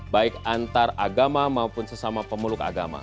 baik antaragama maupun sesama pemeluk agama